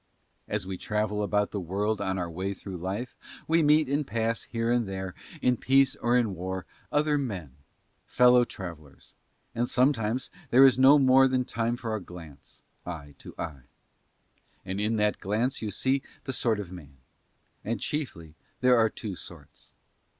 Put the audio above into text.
As we travel about the world on our way through life we meet and pass here and there, in peace or in war, other men, fellow travellers: and sometimes there is no more than time for a glance, eye to eye. And in that glance you see the sort of man: and chiefly there are two sorts.